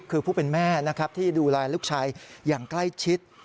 นี่คือผู้เป็นแม่ที่ดูลัยลูกชายอย่างใกล้ชิด